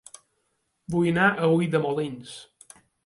Vull anar a Ulldemolins